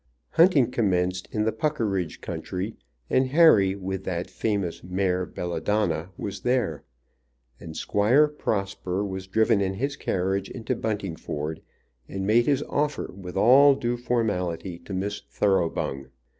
Hunting commenced in the Puckeridge country, and Harry with that famous mare Belladonna was there. And Squire Prosper was driven in his carriage into Buntingford, and made his offer with all due formality to Miss Thoroughbung.